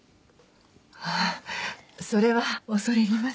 あっそれは恐れ入ります。